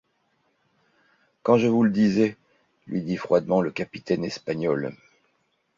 Quand je vous le disais, lui dit froidement le capitaine espagnol.